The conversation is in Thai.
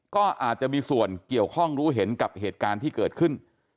ก็อาจจะมีส่วนเกี่ยวข้องรู้เห็นกับเหตุการณ์ที่เกิดขึ้น